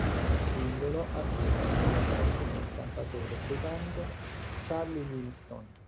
Il singolo ha visto la collaborazione del cantautore britannico Charlie Winston.